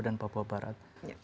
dan papua barat